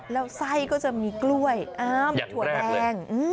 แล้วไส้ก็จะมีกล้วยถั่วแดง